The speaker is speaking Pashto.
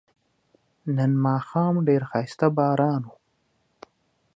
نن ماښام ډیر خایسته باران و